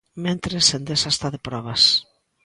Mentres, Endesa está de probas.